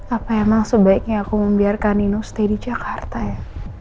apa emang sebaiknya aku membiarkan nino stay di jakarta ya